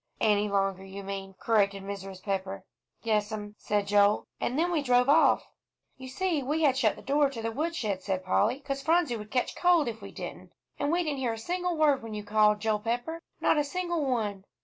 "Any longer, you mean," corrected Mrs. Pepper. "Yes'm," said Joel; "and then we drove off." "You see, we had to shut the door to the woodshed," said Polly, "'cause Phronsie would catch cold if we didn't, and we didn't hear a single word when you called, Joel Pepper; not a single one!"